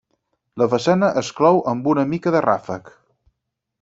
La façana es clou amb una mica de ràfec.